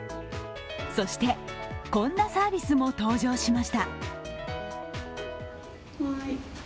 そして、こんなサービスも登場しました。